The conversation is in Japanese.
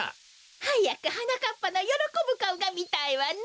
はやくはなかっぱのよろこぶかおがみたいわね。